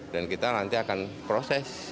dan kita nanti akan proses